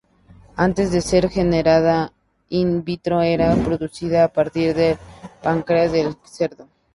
Antes de ser generada in vitro era producida a partir del páncreas del cerdo.